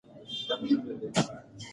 افغان میړانه بیا ثابته شوه.